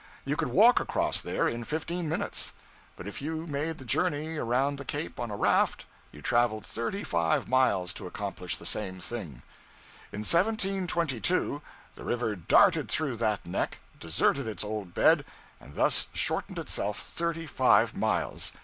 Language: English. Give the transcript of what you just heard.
You could walk across there in fifteen minutes; but if you made the journey around the cape on a raft, you traveled thirty five miles to accomplish the same thing. In 1722 the river darted through that neck, deserted its old bed, and thus shortened itself thirty five miles.